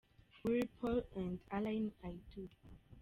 Willy Paul & Alaine - I Do.